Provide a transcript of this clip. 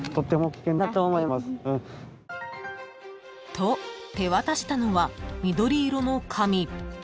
［と手渡したのは緑色の紙］